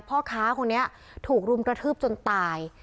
พ่อค้าคนนี้ถูกรุมกระทืบจนตาย